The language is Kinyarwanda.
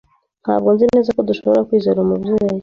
Ntabwo nzi neza ko dushobora kwizera Umubyeyi.